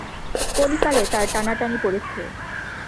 কলিকালে তার টানাটানি পড়েছে।